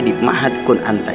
di mahat kulanta